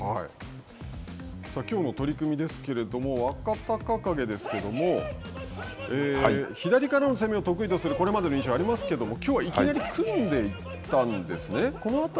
きょうの取組ですけれども若隆景ですけども左からの攻めを得意とするこれまでの印象はありますけれどもきょうはいきなり組んでいったんですね。